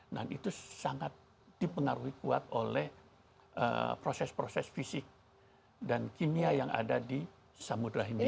nah itu sangat dipengaruhi kuat oleh proses proses fisik dan kimia yang ada di samudera hindia